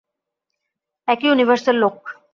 একই ইউনিভার্সের লোক।